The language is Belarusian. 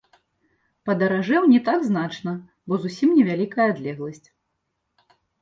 Падаражэў не так значна, бо зусім невялікая адлегласць.